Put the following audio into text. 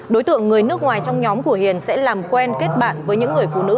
đối tượng người nước ngoài trong nhóm của hiền sẽ làm quen kết bạn với những người phụ nữ